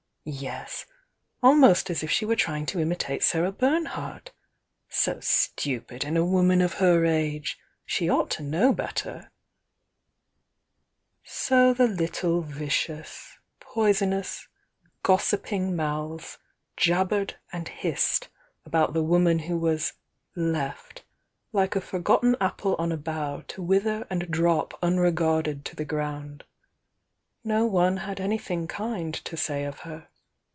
Yes! almost as if she were trying to imitate Sarah Bernhardt! So stupid m^a woman of her age! She ought to know tet • uu ^^f ^^^¥ ,v.'"°"s, poisonous, gossiping mouths !n^^, "°^,'"^^ ""^u* the woman who was left like a forgotten apple on a bough to wither and drop unregarded to the ground. No one had anything kind to say of her.